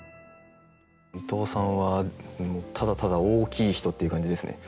伊藤さんはただただ大きい人っていう感じですね。